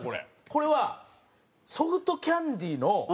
これはソフトキャンディーの。